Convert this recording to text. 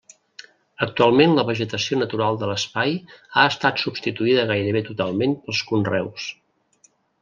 Actualment la vegetació natural de l'espai ha estat substituïda gairebé totalment pels conreus.